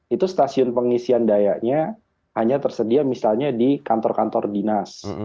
itu stasiun pengisian dayanya hanya tersedia misalnya di kantor kantor dinas